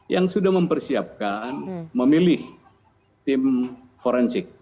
yang sudah mempersiapkan memilih tim forensik